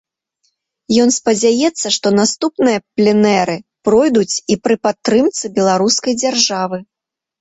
Ён спадзяецца, што наступныя пленэры пройдуць і пры падтрымцы беларускай дзяржавы.